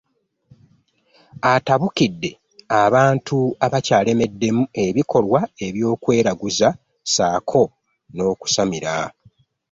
Atabukidde abantu abakyalemeddemu ebikolwa eby’okweraguza ssaako n’okusamira